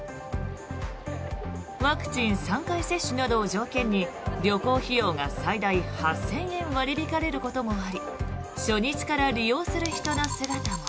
ワクチン３回接種などを条件に旅行費用が最大８０００円割り引かれることもあり初日から利用する人の姿も。